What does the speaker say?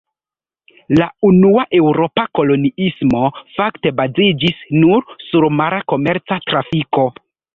La unua eŭropa koloniismo fakte baziĝis nur sur mara komerca trafiko.